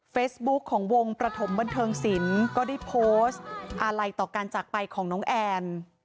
เฟซบุ๊คของวงประถมบันเทิงศิลป์ก็ได้โพสต์อาลัยต่อการจากไปของน้องแอน